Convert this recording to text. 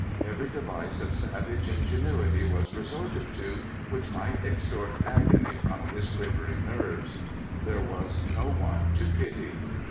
Every device of savage ingenuity was resorted to, which might extort agony from his quivering nerves. There was no one to pity.